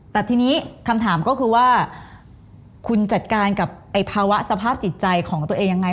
แต่ทีนี้คำถามก็คือว่าคุณจัดการกับภาวะสภาพจิตใจของตัวเองยังไง